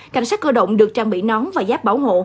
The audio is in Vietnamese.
cảnh sát cơ động được trang bị nón và giáp bảo hộ